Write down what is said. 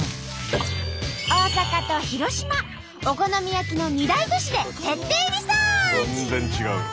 大阪と広島お好み焼きの２大都市で徹底リサーチ！